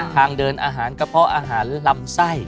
ทางเดินอาหารกระเพาะอาหารลำไส้